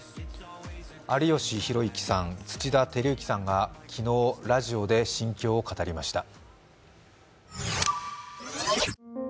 有吉弘行さん、土田晃之さんが昨日ラジオで心境を語りました。